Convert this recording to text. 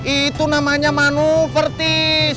itu namanya manuvertis